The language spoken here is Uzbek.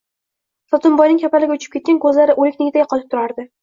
Sotimboyning kapalagi uchib ketgan, koʻzlari oʻliknikiday qotib turardi.